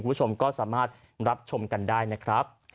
คุณผู้ชมก็สามารถรับชมกันได้นะครับ